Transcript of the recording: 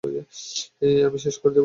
আমি সেচ করে দিব।